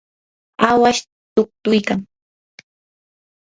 awash tuktuykan.